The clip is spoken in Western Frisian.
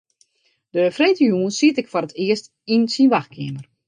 Dy freedtejûns siet ik foar it earst yn syn wachtkeamer.